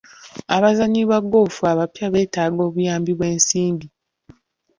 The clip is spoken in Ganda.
Abazannyi ba ggoofu abapya beetaaga obuyambi bw'ensimbi.